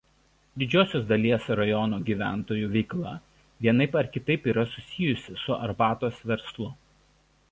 Didžiosios dalies rajono gyventojų veikla vienaip ar kitaip yra susijusi su arbatos verslu.